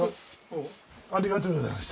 ありがとうございます。